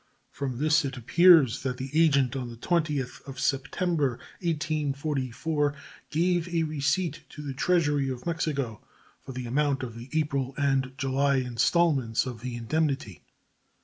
From this it appears that the agent on the 20th of September, 1844, gave a receipt to the treasury of Mexico for the amount of the April and July installments of the indemnity.